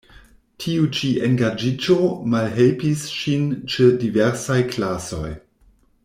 Tiu ĉi engaĝiĝo malhelpis ŝin ĉe diversaj klasoj.